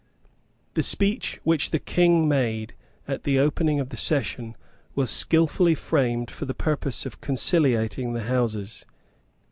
The speech which the King made at the opening of the session was skilfully framed for the purpose of conciliating the Houses.